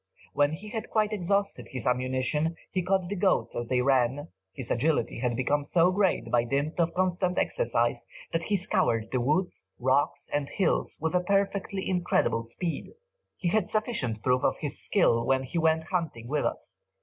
When he had quite exhausted his ammunition, he caught the goats as they ran, his agility had become so great by dint of constant exercise, that he scoured the woods, rocks, and hills, with a perfectly incredible speed. We had sufficient proof of his skill, when he went hunting with us.